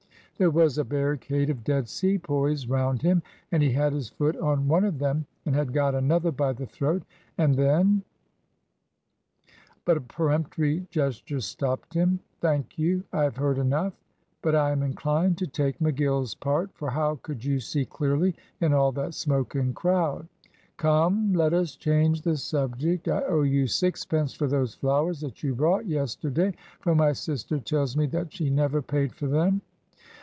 There was a barricade of dead Sepoys round him, and he had his foot on one of them, and had got another by the throat; and then " But a peremptory gesture stopped him. "Thank you, I have heard enough; but I am inclined to take McGill's part, for how could you see clearly in all that smoke and crowd? Come, let us change the subject. I owe you sixpence for those flowers that you brought yesterday, for my sister tells me that she never paid for them."